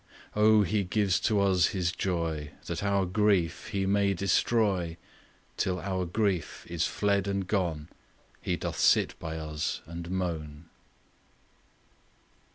O! He gives to us His joy That our grief He may destroy; Till our grief is fled and gone He doth sit by us and moan.